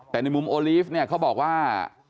แต่ในมุมโอลีฟเนี่ยเขาบอกว่า